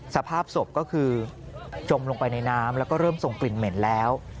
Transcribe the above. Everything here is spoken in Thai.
สภาพศพก็คือจมลงไปในน้ำแล้วก็เริ่มส่งกลิ่นเหม็นแล้ว